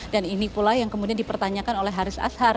dan ini pula yang kemudian dipertanyakan oleh haris ashar